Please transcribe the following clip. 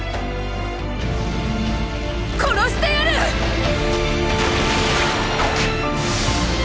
殺してやるッ！